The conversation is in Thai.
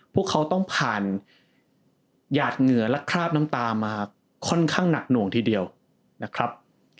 พวกเขาต้องผ่านหยาดเหงื่อและคราบน้ำตามาค่อนข้างหนักหน่วงทีเดียวนะครับ